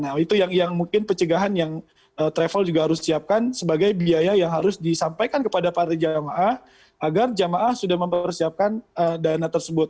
nah itu yang mungkin pencegahan yang travel juga harus disiapkan sebagai biaya yang harus disampaikan kepada para jamaah agar jamaah sudah mempersiapkan dana tersebut